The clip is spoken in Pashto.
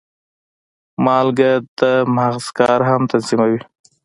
مالګه د مغز کار هم تنظیموي.